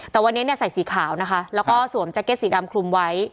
แต่วันนี้เนี่ยใส่สีขาวนะคะแล้วก็สวมแจ็คเก็ตสีดำคลุมไว้